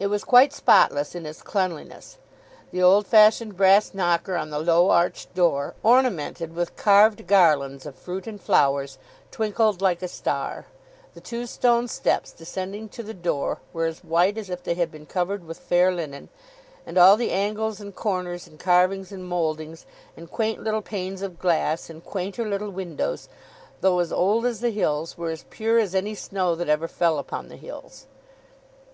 It was quite spotless in its cleanliness. The old fashioned brass knocker on the low arched door, ornamented with carved garlands of fruit and flowers, twinkled like a star; the two stone steps descending to the door were as white as if they had been covered with fair linen; and all the angles and corners, and carvings and mouldings, and quaint little panes of glass, and quainter little windows, though as old as the hills, were as pure as any snow that ever fell upon the hills.